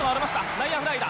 内野フライだ。